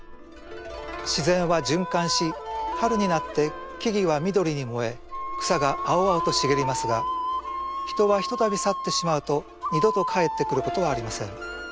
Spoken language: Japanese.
自然は循環し春になって木々は緑にもえ草が青々と茂りますが人はひとたび去ってしまうと二度と帰ってくることはありません。